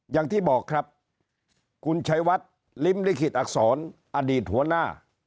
อย่างที่บอกครับคุณชัยวัดลิ้มลิขิตอักษรอดีตหัวหน้า